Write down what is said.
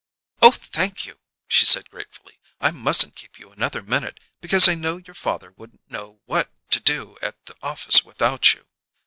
"Oh, thank you!" she said gratefully. "I mustn't keep you another minute, because I know your father wouldn't know what to do at the office without you!